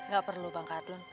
gak perlu bang kardun